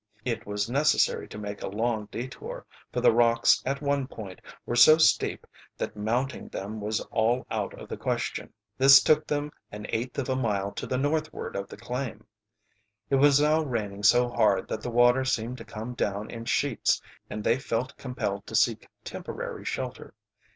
It was necessary to make a long detour, for the rocks at one point were so steep that mounting them was all out of the question. This took them an eighth of a mile to the northward of the claim. It was now raining so hard that the water seemed to come down in sheets, and they felt compelled to seek temporary shelter.